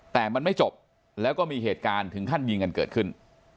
แต่มันไม่จบแล้วก็มีเหตุการณ์ถึงขั้นยิงกันเกิดขึ้น